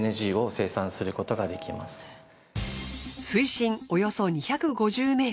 水深およそ２５０ｍ。